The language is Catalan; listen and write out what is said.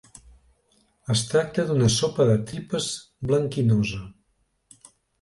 Es tracta d'una sopa de tripes blanquinosa.